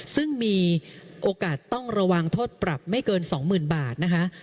ซึ่งมีโอกาสต้องระวังโทษปรับไม่เกิน๒๐๐๐บาทนะคะ